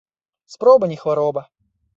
Спроба не хвароба